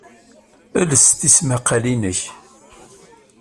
Els tismaqqalin-nnek.